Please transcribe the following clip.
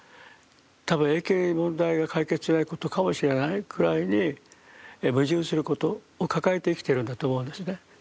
多分永久に問題が解決しないことかもしれないくらいに矛盾することを抱えて生きてるんだと思うんですね。